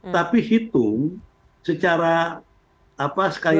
tapi hitung secara sekali lagi